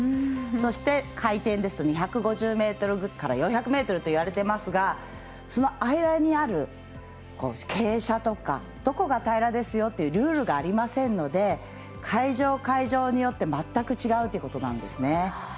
そして、回転ですと２５０ｍから４００ｍと言われていますがその間にある傾斜とかどこが平らですよというルールがありませんので会場会場によって全く違うということです。